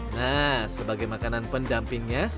nah sebagai makanan pendampingnya